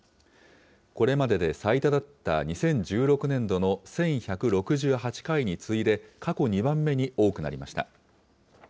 これまでで最多だった２０１６年度の１１６８回に次いで、過去２番目に多くなりました。